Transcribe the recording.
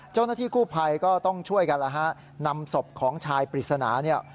เจ้าหน้าที่กู้ภัยก็ต้องช่วยกันแล้วฮะนำศพของชายปริศนาเนี่ย